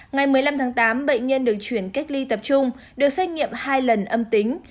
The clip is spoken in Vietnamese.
ngày một mươi năm tháng tám bệnh nhân được chuyển cách ly tập trung được xét nghiệm hai lần âm tính